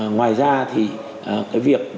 ngoài ra thì cái việc